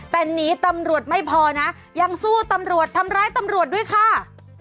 แต่หนีตำรวจไม่พอนะยังสู้ตำรวจทำร้ายตำรวจด้วยค่ะ